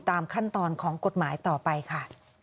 ตามขั้นตอนของกฎหมายต่อไปค่ะ